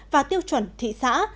và tiêu chuẩn thị xã